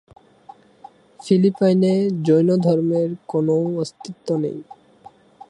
ফিলিপাইনে জৈনধর্মের কোনও অস্তিত্ব নেই।